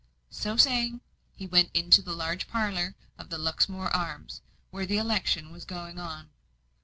So saying, he went into the large parlour of the Luxmore Arms, where the election was going on.